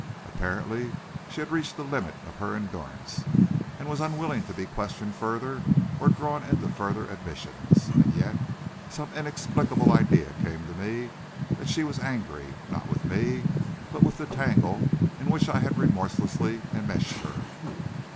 Apparently she had reached the limit of her endurance, and was unwilling to be questioned further or drawn into further admissions. And yet, some inexplicable idea came to me that she was angry, not with me, but with the tangle in which I had remorselessly enmeshed her.